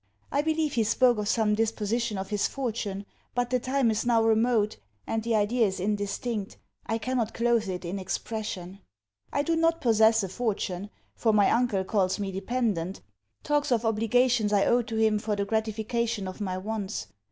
I believe he spoke of some disposition of his fortune; but the time is now remote, and the idea is indistinct. I cannot cloathe it in expression. I do not possess a fortune; for my uncle calls me dependent, talks of obligations I owe to him for the gratification of my wants.